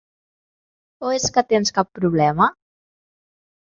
O és que tens cap problema?